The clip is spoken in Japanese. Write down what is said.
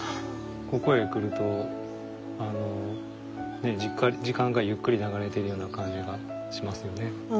ここへ来ると時間がゆっくり流れてるような感じがしますよね。